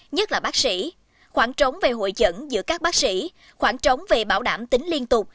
nhất là bác sĩ khoảng trống về hội chẩn giữa các bác sĩ khoảng trống về bảo đảm tính liên tục